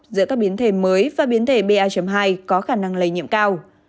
giữa các biến thể mới và biến thể ba hai có khả năng lây nhiễm cao